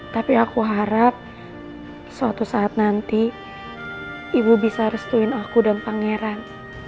tapi aku harap suatu saat nanti ibu bisa restuin aku dan pangeran